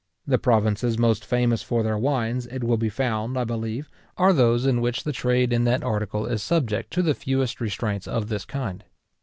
The provinces most famous for their wines, it will be found, I believe, are those in which the trade in that article is subject to the fewest restraints of this kind.